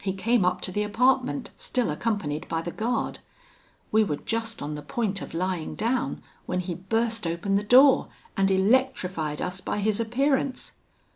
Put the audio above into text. He came up to the apartment, still accompanied by the guard. We were just on the point of lying down when he burst open the door, and electrified us by his appearance.